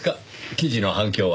記事の反響は。